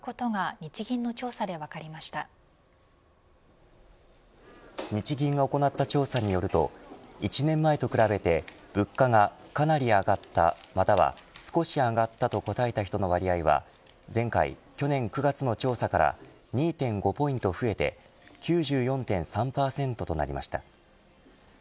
日銀が行った調査によると１年前と比べて物価がかなり上がったまたは少し上がったと答えた人の割合は前回去年９月の調査から２．５ポイント増えて９４．３％となりました。